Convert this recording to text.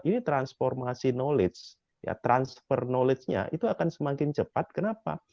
ini transformasi knowledge transfer knowledge nya itu akan semakin cepat kenapa